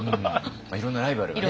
いろんなライバルがね